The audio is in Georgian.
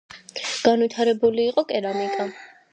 განვითარებული იყო კერამიკა.